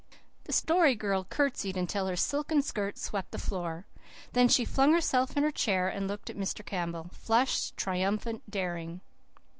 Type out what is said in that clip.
The Story Girl curtsied until her silken skirts swept the floor. Then she flung herself in her chair and looked at Mr. Campbell, flushed, triumphant, daring.